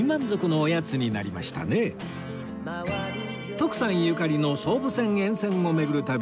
徳さんゆかりの総武線沿線を巡る旅